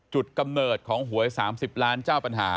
กำเนิดของหวย๓๐ล้านเจ้าปัญหา